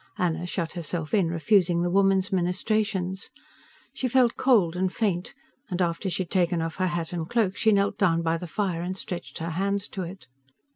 Anna shut herself in, refusing the woman's ministrations. She felt cold and faint, and after she had taken off her hat and cloak she knelt down by the fire and stretched her hands to it.